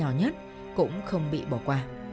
ở những vùng khác